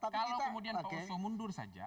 kalau kemudian pak oso mundur saja